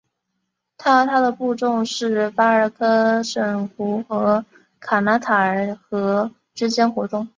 他和他的部众是巴尔喀什湖和卡拉塔尔河之间活动。